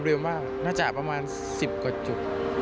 เร็วมากน่าจะประมาณสิบกว่าจุด